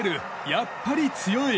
やっぱり強い。